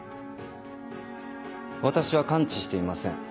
私は関知していません。